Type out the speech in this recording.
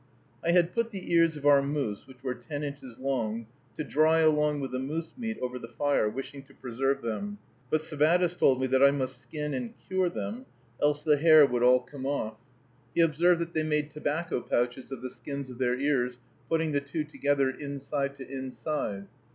I had put the ears of our moose, which were ten inches long, to dry along with the moose meat over the fire, wishing to preserve them; but Sabattis told me that I must skin and cure them, else the hair would all come off. He observed that they made tobacco pouches of the skins of their ears, putting the two together inside to inside.